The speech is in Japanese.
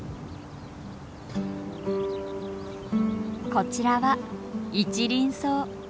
こちらはイチリンソウ。